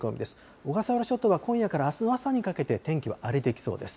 小笠原諸島は今夜からあすの朝にかけて、天気は荒れていきそうです。